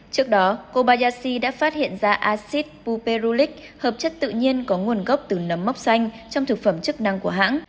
trước đó kobayashi đã phát hiện ra acid puperulic hợp chất tự nhiên có nguồn gốc từ nấm mốc xanh trong thực phẩm chức năng của hãng